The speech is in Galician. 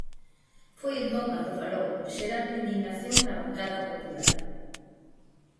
Foi entón cando falou, xerando a indignación na bancada popular.